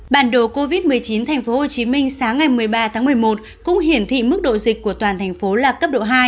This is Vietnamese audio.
bản đồ covid một mươi chín tp hcm sáng ngày một mươi ba tháng một mươi một cũng hiển thị mức độ dịch của toàn thành phố là cấp độ hai